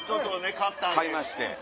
買いまして。